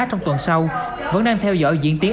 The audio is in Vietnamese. trong tuần sau vẫn đang theo dõi diễn tiến